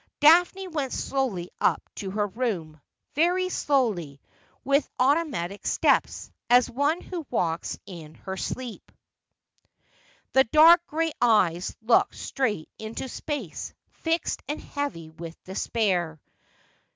Daphne went slowly up to her room, very slowly, with auto matic steps, as one who walks in his sleep. The dark gray eyes looked straight into space, fixed and heavy with despair.